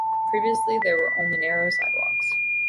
Previously, there were only narrow sidewalks.